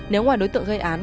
nếu ngoài đối tượng gây án